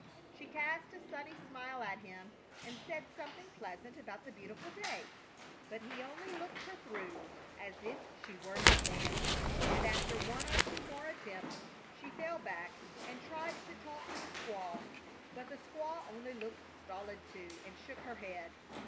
She cast a sunny smile at him and said something pleasant about the beautiful day, but he only looked her through as if she were not there, and after one or two more attempts she fell back and tried to talk to the squaw; but the squaw only looked stolid, too, and shook her head.